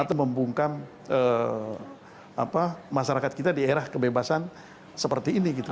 atau membungkam masyarakat kita di era kebebasan seperti ini gitu